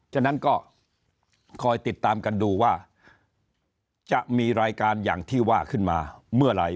ฉะนั้นก็คอยติดตามกันดูว่าจะมีรายการอย่างที่ว่าขึ้นมาเมื่อไหร่